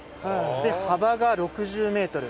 で幅が６０メートル。